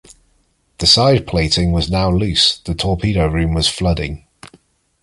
The side plating was now loose, the torpedo room was flooding.